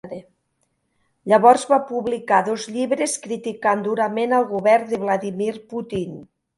Llavors va publicar dos llibres criticant durament el govern de Vladímir Putin.